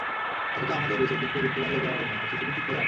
অথচ আমাদের দেশে কিন্তু বিত্তবান লোকের অভাব নেই, আছে শুধু চিত্তের অভাব।